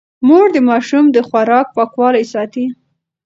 مور د ماشوم د خوراک پاکوالی ساتي.